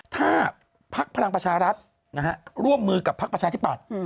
ถ้าพักพลังประชารัฐร่วมมือกับพักประชาธิปัตย์